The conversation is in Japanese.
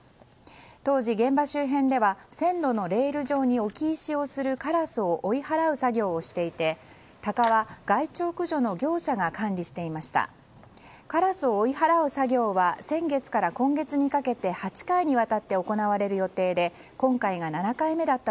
当時、現場周辺では線路のレール上に置き石をするカラスを追い払う作業をしていてタカは害虫駆除の業者が管理していました。